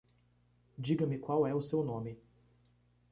Diga-me qual é o seu nome.